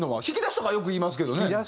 引き出しとかはよく言いますけどね。